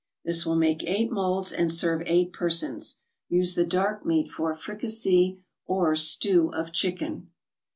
This will make eight molds and serve eight persons. Use the dark meat for fricassee or stew of chicken.